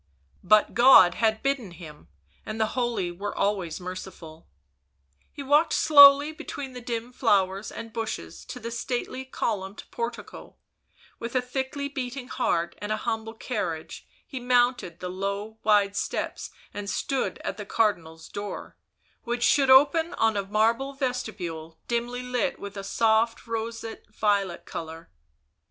. but God had bidden him, and the holy were always the merciful. He walked slowly between the dim flowers and bushes to the stately columned portico ; with a thickly beating heart and a humble carriage he mounted the low wide steps and stood at the Cardinal's door, which should open on a marble vestibule dimly lit with a soft roseate violet colour.